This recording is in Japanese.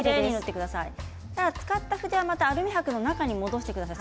使った筆はアルミはくの中に戻してください。